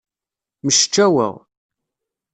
Mceččaweɣ.